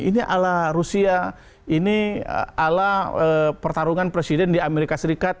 ini ala rusia ini ala pertarungan presiden di amerika serikat